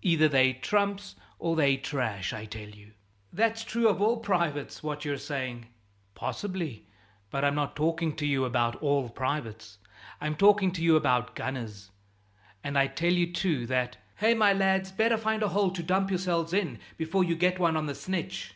Either they're trumps or they're trash. I tell you " "That's true of all privates, what you're saying." "Possibly; but I'm not talking to you about all privates; I'm talking to you about gunners, and I tell you too that " "Hey, my lads! Better find a hole to dump yourselves in, before you get one on the snitch!"